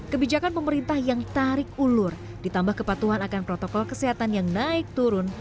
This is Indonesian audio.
kebijakan pemerintah yang tarik ulur ditambah kepatuhan akan protokol kesehatan yang naik turun